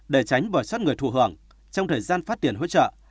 để tránh bỏ sát người thù hưởng trong thời gian phát tiền hỗ trợ